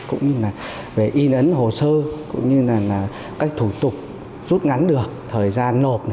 cũng như là về in ấn hồ sơ cũng như là các thủ tục rút ngắn được thời gian nộp